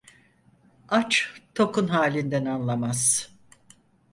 Aç tokun halinden anlamaz.